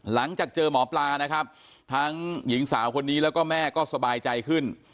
หลังจากเจอหมอปลานะครับทั้งหญิงสาวคนนี้แล้วก็แม่ก็สบายใจขึ้น